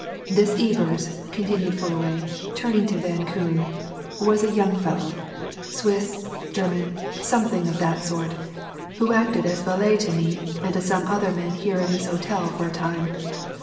"This Ebers," continued Fullaway, turning to Van Koon, "was a young fellow, Swiss, German, something of that sort, who acted as valet to me and to some other men here in this hotel for a time.